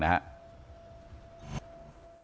นะครับ